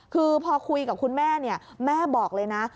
คือพอคุยกับคุณแม่แม่บอกเลยนะ